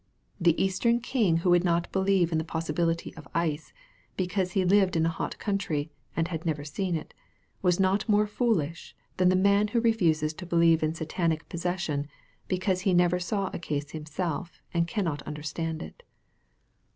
The eastern king who would not believe in the possibility of ice, because he lived in a hot country, and had never seen it, was not more foolish than the man who refuses to believe in Satanic posses sion, because he never saw a case himself, and cannot understand it.